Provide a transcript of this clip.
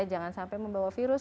jangan sampai membawa virus